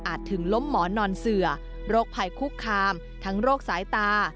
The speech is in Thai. ถึงล้มหมอนนอนเสือโรคภัยคุกคามทั้งโรคสายตา